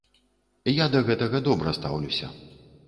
Я да гэтага добра стаўлюся.